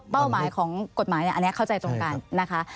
หมายของกฎหมายอันนี้เข้าใจตรงกันนะคะ